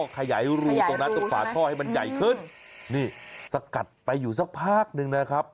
ขยายรูตรงนั้นตรงฝาท่อให้มันใหญ่ขึ้นนี่สกัดไปอยู่สักพักหนึ่งนะครับ